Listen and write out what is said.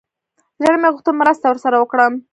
زړه مې وغوښتل مرسته ورسره وکړم.